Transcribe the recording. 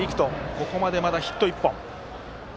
ここまでまだヒット１本。